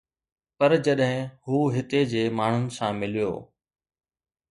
پر جڏهن هو هتي جي ماڻهن سان مليو